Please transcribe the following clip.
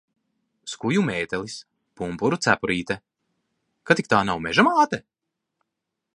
Skuju mētelis, pumpuru cepurīte. Kad tik tā nav Meža māte?